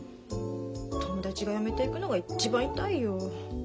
友達が辞めていくのが一番痛いよ。